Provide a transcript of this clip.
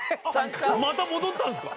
また戻ったんですか？